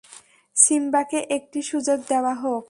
সিম্বাকে একটি সুযোগ দেওয়া হোক!